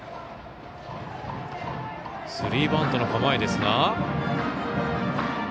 スリーバントの構えですが。